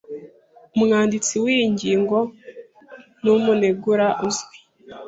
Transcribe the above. Umwanditsi wiyi ngingo numunegura uzwi.